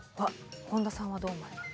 本田さんはどう思われますか？